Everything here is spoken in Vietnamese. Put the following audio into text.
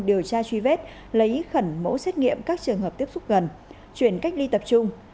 điều tra truy vết lấy khẩn mẫu xét nghiệm các trường hợp tiếp xúc gần chuyển cách ly tập trung